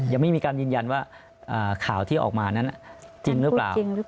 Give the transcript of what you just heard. ยังไม่มีการยืนยันว่าข่าวที่ออกมานั้นจริงหรือเปล่า